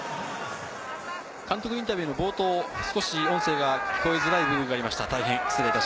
監督インタビューの冒頭、音声が聞こえづらい部分がありました。